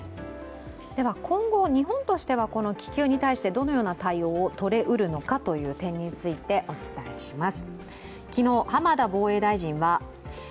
今後日本としては、この気球に対して、どのような対応をとれうるのかお伝えします。